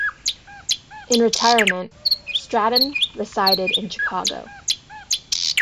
In retirement, Stratton resided in Chicago.